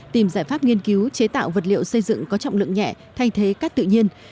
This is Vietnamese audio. tìm giải pháp nghiên cứu chế tạo vật liệu xây dựng có trọng lượng nhẹ thay thế cát tự nhiên